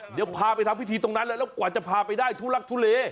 เดี๋ยวพาไปทำพิธีตรงนั้นเลยแล้วกว่าจะพาไปได้ทุลักทุเล